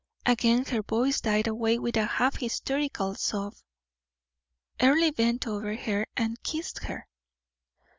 Again her voice died away with a half hysterical sob. Earle bent over her and kissed her.